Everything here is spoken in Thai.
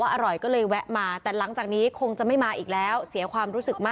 อร่อยก็เลยแวะมาแต่หลังจากนี้คงจะไม่มาอีกแล้วเสียความรู้สึกมา